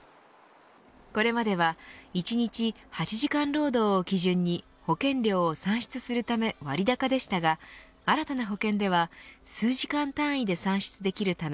これまでは１日８時間労働を基準に保険料を算出するため割高でしたが新たな保険では数時間単位で算出できるため